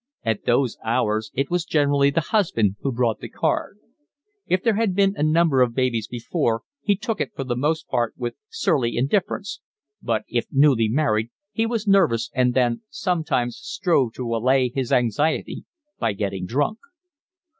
At those hours it was generally the husband who brought the card. If there had been a number of babies before he took it for the most part with surly indifference, but if newly married he was nervous and then sometimes strove to allay his anxiety by getting drunk.